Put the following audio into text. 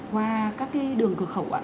qua các đường cửa khẩu